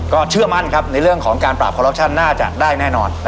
เชื่อมั่นครับในเรื่องของการปราบคอลลอปชั่นน่าจะได้แน่นอน